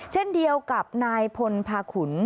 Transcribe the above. เช่นเดียวกับนายพลพาขุน